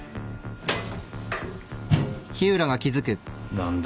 何だ？